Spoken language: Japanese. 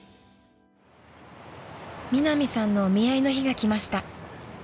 ［ミナミさんのお見合いの日が来ました］